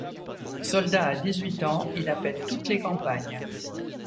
Soldat à dix-huit ans, il a fait toutes les campagnes.